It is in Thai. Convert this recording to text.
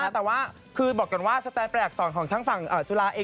แต่ว่าคือบอกก่อนว่าสแตนแปลอักษรของทางฝั่งจุฬาเอง